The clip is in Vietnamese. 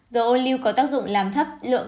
dầu ô lưu có tác dụng làm thấp lượng